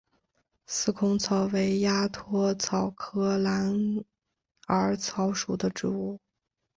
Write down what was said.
四孔草为鸭跖草科蓝耳草属的植物。